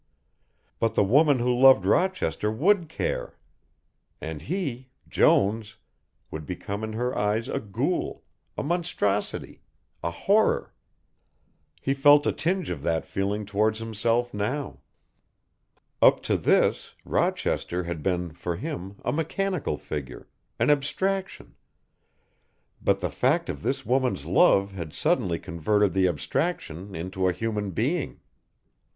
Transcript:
But the woman who loved Rochester would care. And he, Jones, would become in her eyes a ghoul, a monstrosity, a horror. He felt a tinge of that feeling towards himself now. Up to this Rochester had been for him a mechanical figure, an abstraction, but the fact of this woman's love had suddenly converted the abstraction into a human being.